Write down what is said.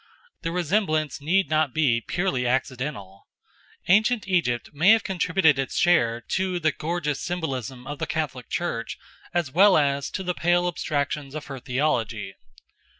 The resemblance need not be purely accidental. Ancient Egypt may have contributed its share to the gorgeous symbolism of the Catholic Church as well as to the pale abstractions of her theology.